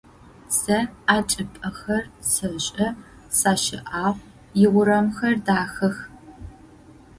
Сэ а чӏыпӏэхэр сэшӏэ, сащыӏагъ, иурамхэр дахэх.